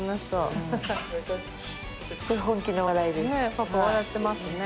パパ笑ってますね。